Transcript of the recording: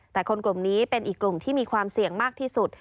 แต่คนกลุ่มนี้เป็นอีกกลุ่มที่มีความเสี่ยงมากที่สุด